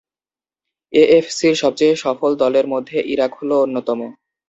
এএফসির সবচেয়ে সফল দলের মধ্যে ইরাক হল অন্যতম।